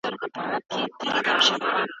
حقیقت تریخ وي خو ګټور.